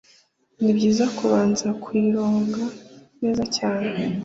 ni byiza kubanza kuyironga neza cyane